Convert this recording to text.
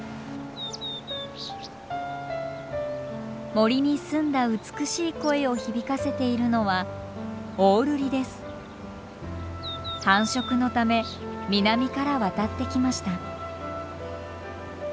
森に澄んだ美しい声を響かせているのは繁殖のため南から渡ってきました。